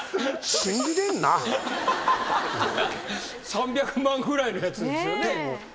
３００万ぐらいのやつですよね。